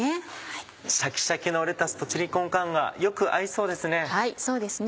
シャキシャキのレタスとチリコンカーンがよく合いそうですね。